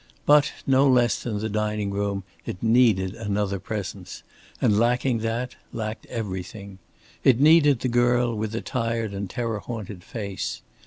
But, no less than the dining room it needed another presence, and lacking that lacked everything. It needed the girl with the tired and terror haunted face.